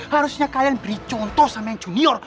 harusnya kalian beri contoh sama yang junior